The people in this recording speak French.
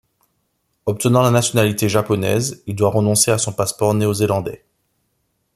Obtenant la nationalité japonaise, il doit renoncer à son passeport néo-zélandais.